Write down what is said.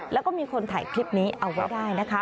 แล้วก็มีคนถ่ายคลิปนี้เอาไว้ได้นะคะ